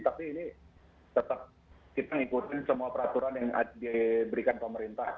tapi ini tetap kita ngikutin semua peraturan yang diberikan pemerintah